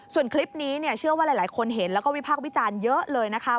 ส่วนคลิปนี้เนี่ยเชื่อว่าหลายคนเห็นแล้วก็วิพากษ์วิจารณ์เยอะเลยนะคะ